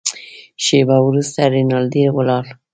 شېبه وروسته رینالډي ولاړ.